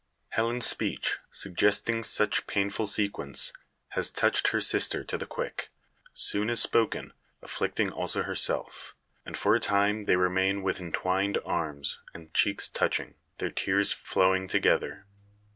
Helen's speech, suggesting such painful sequence, has touched her sister to the quick, soon as spoken, afflicting also herself; and for a time they remain with entwined arms and cheeks touching their tears flowing together.